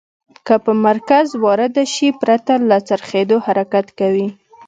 که په مرکز وارده شي پرته له څرخیدو حرکت کوي.